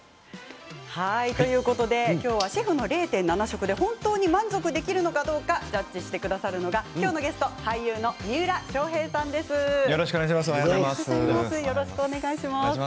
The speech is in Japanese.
きょうはシェフの０．７食で本当に満足できるのかどうかジャッジしてくださるのはきょうのゲスト俳優の三浦翔平さんです。